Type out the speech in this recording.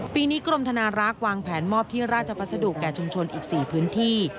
ปีนี้กรมธนารักษ์วางแผนมอบที่ราชพัสดุแก่ชุมชนอีก๔พื้นที่